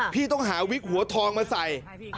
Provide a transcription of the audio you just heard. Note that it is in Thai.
บอกวิทย์หั่วทองมาใส่